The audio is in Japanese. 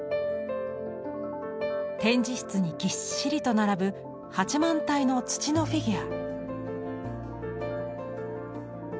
展示室にぎっしりと並ぶ８万体の土のフィギュア。